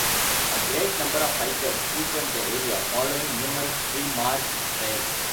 A great number of hikers frequent the area, following numerous pre-marked trails.